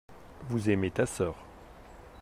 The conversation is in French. Vous aimez ta sœur.